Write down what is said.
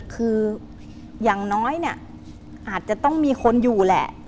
คืออย่างน้อยเนี่ยอาจจะต้องมีคนอยู่แหละ